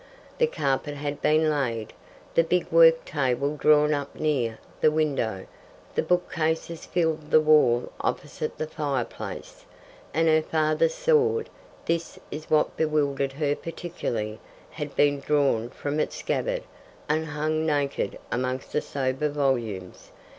The carpet had been laid, the big work table drawn up near the window; the bookcases filled the wall opposite the fireplace, and her father's sword this is what bewildered her particularly had been drawn from its scabbard and hung naked amongst the sober volumes.